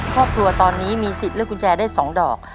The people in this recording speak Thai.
ครอบครัวตอนนี้มีสิทธิ์เลือกกุญแจได้๒ดอก